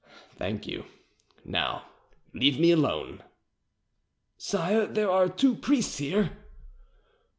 "Thank you. Now leave me alone." "Sire, there are two priests here."